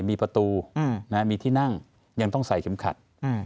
มีประตูมีที่นั่งยังต้องใส่เข็มขัด